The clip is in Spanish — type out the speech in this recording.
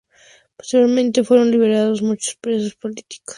Posteriormente, fueron liberados muchos presos políticos.